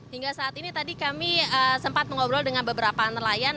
hingga saat ini tadi kami sempat mengobrol dengan beberapa nelayan